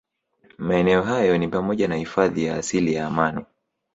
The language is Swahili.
Maeneo hayo ni pamoja na hifadhi ya asili ya Amani